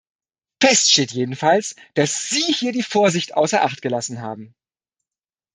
Fest steht jedenfalls, dass Sie hier die Vorsicht außer acht gelassen haben.